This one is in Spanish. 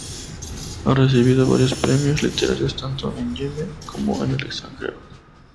Ha recibido varios premios literarios tanto en Yemen como en el extranjero.